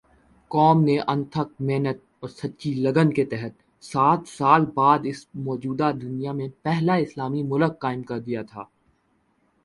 قوم نے انتھک محنت اور سچی لگن کے تحت سات سال بعد اس موجودہ دنیا میں پہلا اسلامی ملک قائم کردیا تھا